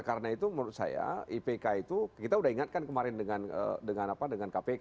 karena itu menurut saya ipk itu kita udah ingatkan kemarin dengan kpk